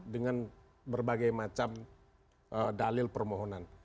dengan berbagai macam dalil permohonan